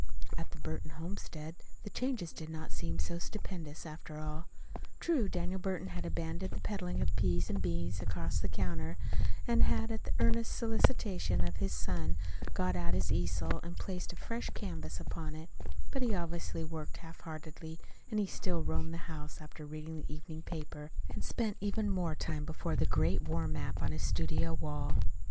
At the Burton homestead the changes did not seem so stupendous, after all. True, Daniel Burton had abandoned the peddling of peas and beans across the counter, and had, at the earnest solicitation of his son, got out his easel and placed a fresh canvas upon it; but he obviously worked half heartedly, and he still roamed the house after reading the evening paper, and spent even more time before the great war map on his studio wall.